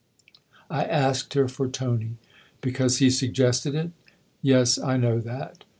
" I asked her for Tony." " Because he suggested it ? Yes, I know that."